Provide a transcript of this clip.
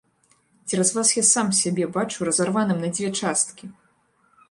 Цераз вас я сам сябе бачу разарваным на дзве часткі!